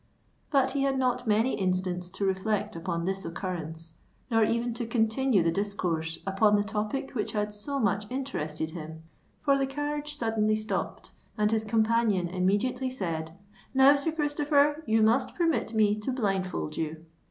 But he had not many instants to reflect upon this occurrence—nor even to continue the discourse upon the topic which had so much interested him; for the carriage suddenly stopped, and his companion immediately said, "Now Sir Christopher, you must permit me to blindfold you."